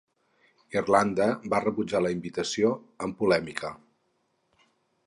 Irlanda va rebutjar la invitació, amb polèmica.